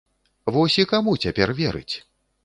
Вось і каму цяпер верыць?